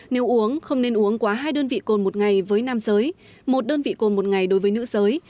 nếu uống không nên uống quá hai đơn vị cồn một ngày với nam giới một đơn vị cồn một ngày đối với nữ giới